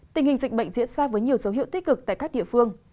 tình hình dịch bệnh diễn ra với nhiều dấu hiệu tích cực tại các địa phương